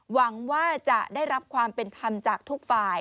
หวังว่าจะได้รับความเป็นธรรมจากทุกฝ่าย